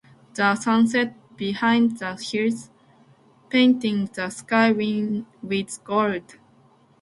The sun set behind the hills, painting the sky with gold.